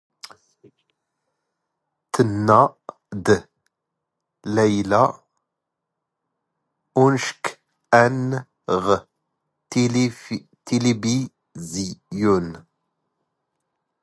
ⵜⵏⵏⴰ ⴷ ⵍⴰⵢⵍⴰ ⵓⵏⵛⴽⴽ ⴰⵏⵏ ⵖ ⵜⵜⵉⵍⵉⴱⵉⵣⵢⵓⵏ.